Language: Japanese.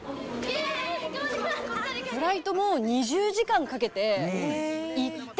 フライトも２０時間かけて行って。